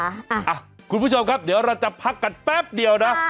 คุณผู้ชมครับเดี๋ยวเราจะพักกันแป๊บเดียวนะ